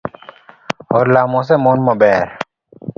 Od lamo osemwon maber.